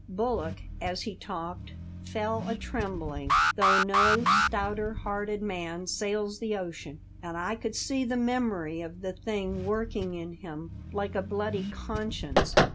Bullock, as he talked, fell a trembling, though no stouter hearted man sails the ocean, and I could see the memory of the thing working in him like a bloody conscience.